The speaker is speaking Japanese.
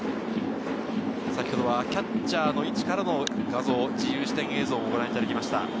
キャッチャーの位置からの自由視点映像もご覧いただきました。